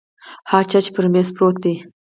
ها چې پر میز پروت دی